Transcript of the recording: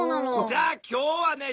じゃあ今日はね